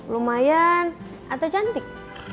lumayan atau cantik